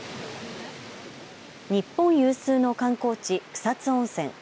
日本有数の観光地、草津温泉。